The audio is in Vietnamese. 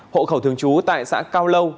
hộ khẩu thường trú tại xã cao lâu